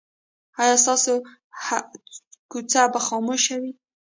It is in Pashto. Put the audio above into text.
ایا ستاسو کوڅه به خاموشه وي؟